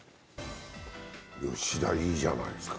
吉田、いいじゃないですか。